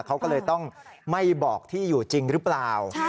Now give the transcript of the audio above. เขาก็เลยต้องไม่บอกที่อยู่จริงหรือเปล่า